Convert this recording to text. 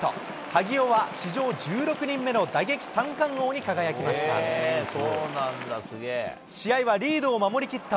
萩尾は史上１６人目の打撃三冠王に輝きました。